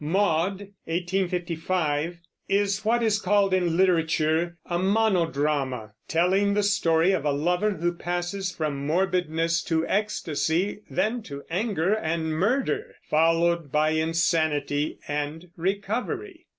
Maud (1855) is what is called in literature a monodrama, telling the story of a lover who passes from morbidness to ecstasy, then to anger and murder, followed by insanity and recovery.